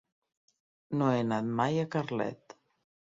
No he anat mai a Carlet.